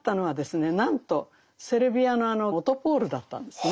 なんとセルビアのあの「オトポール！」だったんですね。